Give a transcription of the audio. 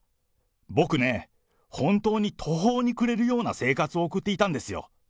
僕ね、本当に途方に暮れるような生活を送っていたんですよ。